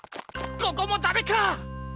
ここもダメか！